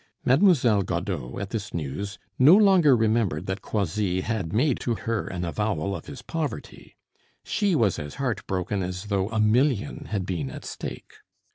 Mademoiselle Godeau, at this news, no longer remembered that Croisilles had made to her an avowal of his poverty; she was as heartbroken as though a million had been at stake.